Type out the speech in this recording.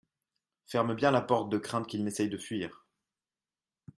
Ferme bien la porte de crainte qu’il n’essayent de fuir.